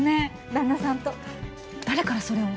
旦那さんと誰からそれを？